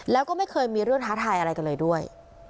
แล้วก็ไม่เคยมีเรื่องท้าทายอะไรกันเลยด้วย